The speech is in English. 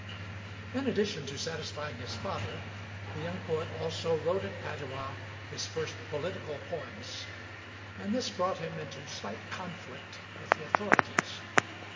In addition to satisfying his father, the young poet also wrote at Padua his first political poems. And this brought him into slight conflict with the authorities.